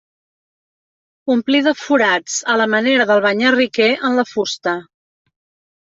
Omplí de forats a la manera del banyarriquer en la fusta.